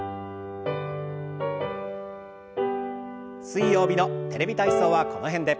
水曜日の「テレビ体操」はこの辺で。